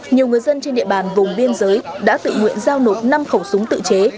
nhiều người dân trên địa bàn vùng biên giới đã tự nguyện giao nộp năm khẩu súng tự chế